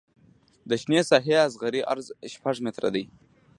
د شنې ساحې اصغري عرض شپږ متره دی